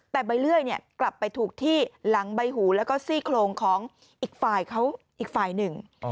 แต่ใบเลื่อยกลับไปถูกที่หลังใบหูแล้วก็ซี่โครงของอีกฝ่ายเขาอีกฝ่ายหนึ่ง